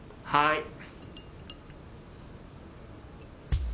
はい。